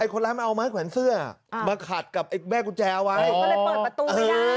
คนร้ายมันเอาไม้แขวนเสื้อมาขัดกับไอ้แม่กุญแจเอาไว้ก็เลยเปิดประตูพยายาม